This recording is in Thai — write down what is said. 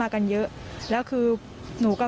กลัวค่ะ